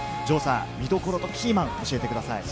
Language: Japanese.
見どころとキーマンを教えてください。